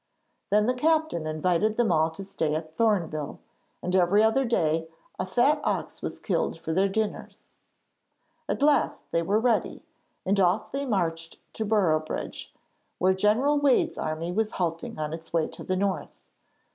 Then the captain invited them all to stay at Thorneville, and every other day a fat ox was killed for their dinners. At last they were ready, and off they marched to Boroughbridge, where General Wade's army was halting on its way to the north.